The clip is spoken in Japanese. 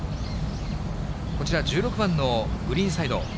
こちら、１６番のグリーンサイド。